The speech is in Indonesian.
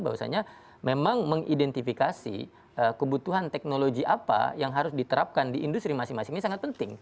bahwasanya memang mengidentifikasi kebutuhan teknologi apa yang harus diterapkan di industri masing masing ini sangat penting